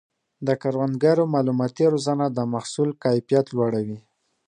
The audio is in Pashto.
د کروندګرو مالوماتي روزنه د محصول کیفیت لوړوي.